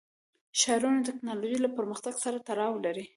ښارونه د تکنالوژۍ له پرمختګ سره تړاو لري.